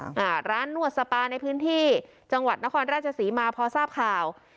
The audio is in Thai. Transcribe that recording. อ่าร้านนวดสปาในพื้นที่จังหวัดนครราชศรีมาพอทราบข่าว